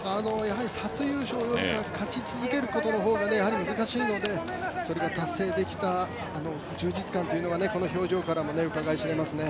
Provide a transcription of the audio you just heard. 初優勝より勝ち続けることの方が難しいので、それが達成できた充実感というのがこの表情からもうかがい知れますね。